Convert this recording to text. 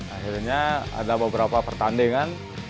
akhirnya ada beberapa pertandingan